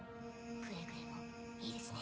くれぐれもいいですね。